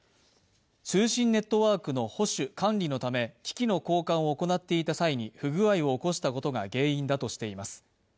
通信ネットワークの保守・管理のため機器の交換を行っていた際に不具合を起こしたことが原因だとしています。